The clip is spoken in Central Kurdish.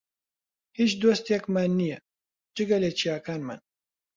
هیچ دۆستێکمان نییە، جگە لە چیاکانمان.